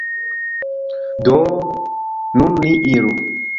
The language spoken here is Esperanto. Do, nun ni iru